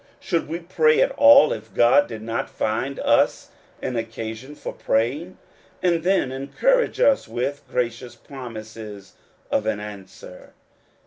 Should we pray at all if God did not find us an occasion for praying, and then encourage us with gracious promises of an answer